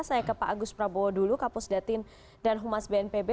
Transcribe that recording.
saya ke pak agus prabowo dulu kapus datin dan humas bnpb